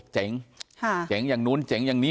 เจ๋งเจ๋งอย่างนู้นเจ๋งอย่างนี้